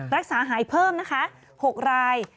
รักษาหายเพิ่มนะคะ๖ราย